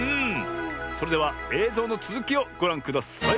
それではえいぞうのつづきをごらんください。